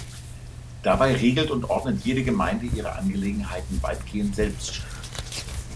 Dabei regelt und ordnet jede Gemeinde ihre Angelegenheiten weitgehend selbständig.